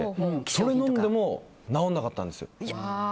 それを飲んでも治らなかったんですよ。